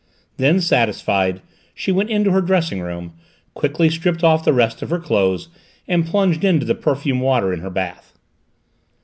Then, satisfied, she went into her dressing room, quickly slipped off the rest of her clothes, and plunged into the perfumed water in her bath.